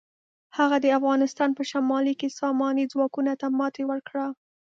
هغه د افغانستان په شمالي کې ساماني ځواکونو ته ماتې ورکړه.